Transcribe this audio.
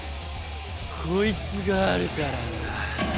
こいつがあるからな。